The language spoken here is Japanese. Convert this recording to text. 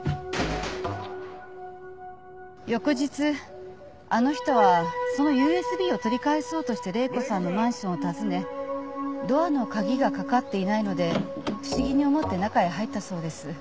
翌日あの人はそのＵＳＢを取り返そうとして礼子さんのマンションを訪ねドアの鍵がかかっていないので不思議に思って中へ入ったそうです。